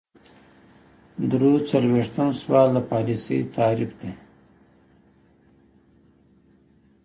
درې څلویښتم سوال د پالیسۍ تعریف دی.